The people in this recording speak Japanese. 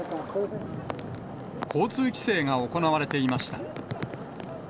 交通規制が行われていました。